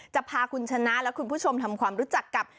จะพาคุณชนะและคุณผู้ชมทำความรู้จักกับ